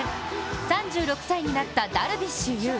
３６歳になったダルビッシュ有。